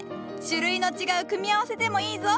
種類の違う組み合わせでもいいぞ。